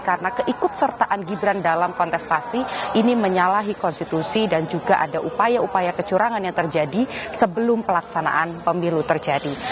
karena keikut sertaan gibran dalam kontestasi ini menyalahi konstitusi dan juga ada upaya upaya kecurangan yang terjadi sebelum pelaksanaan pemilu terjadi